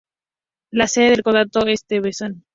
La sede del condado es Stevenson.